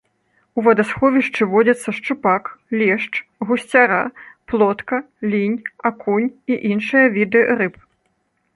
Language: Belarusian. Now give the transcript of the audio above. У вадасховішчы водзяцца шчупак, лешч, гусцяра, плотка, лінь, акунь і іншыя віды рыб.